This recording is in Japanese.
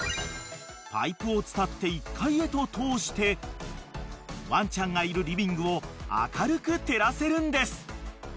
パイプを伝って１階へと通してワンちゃんがいるリビングを明るく照らせるんです］